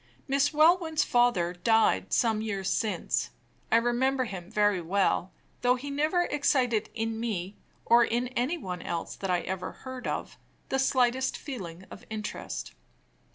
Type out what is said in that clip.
Miss Welwyn's father died some years since. I remember him very well though he never excited in me, or in any one else that I ever heard of, the slightest feeling of interest.